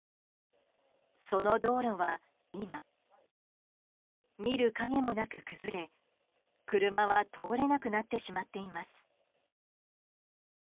その道路は今、見る影もなく崩れ車は通れなくなってしまっています。